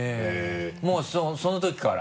もうその時から？